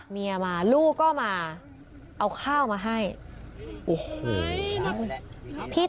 เมียมาลูกก็มาเอาข้าวมาให้